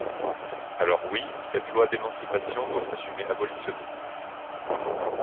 Alors oui, cette loi d’émancipation doit s’assumer abolitionniste.